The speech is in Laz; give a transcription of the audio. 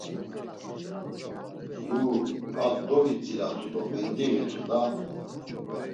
Lu, a dogitzilatu do mendiğitu da!